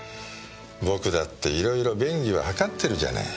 僕だっていろいろ便宜は図ってるじゃない。